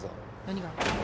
何が？